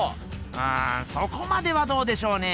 うんそこまではどうでしょうね？